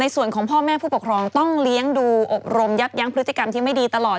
ส่วนของพ่อแม่ผู้ปกครองต้องเลี้ยงดูอบรมยับยั้งพฤติกรรมที่ไม่ดีตลอด